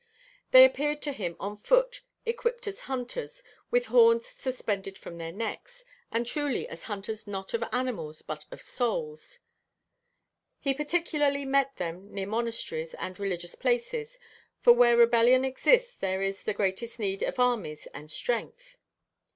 They appeared to him on foot, equipped as hunters, with horns suspended from their necks, and truly as hunters not of animals but of souls; he particularly met them near monasteries and religious places; for where rebellion exists there is the greatest need of armies and strength.